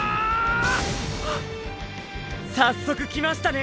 早速来ましたね！！